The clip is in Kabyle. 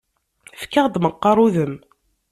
Fek-aɣ-d meqqaṛ udem.